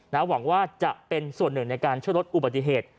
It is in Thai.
หวังว่าจะเป็นส่วนหนึ่งในการช่วยลดอุบัติเหตุ